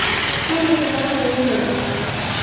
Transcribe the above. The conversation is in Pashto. ټول مسلمانان وروڼه دي.